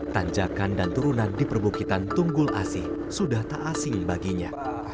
tanjakan dan turunan di perbukitan tunggul asih sudah tak asing baginya